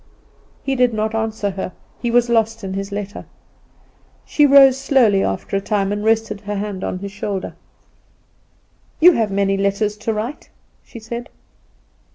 He did not answer her; he was lost in his letter. She rose slowly after a time, and rested her hand on his shoulder. "You have many letters to write," she said.